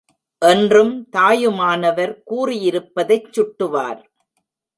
என்றும் தாயுமானவர் கூறியிருப்பதைச் சுட்டுவார்.